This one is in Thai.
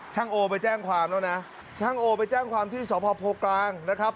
โอไปแจ้งความแล้วนะช่างโอไปแจ้งความที่สพโพกลางนะครับ